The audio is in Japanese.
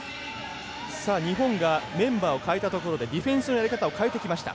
日本がメンバーを代えたところでディフェンスのやり方を変えてきました。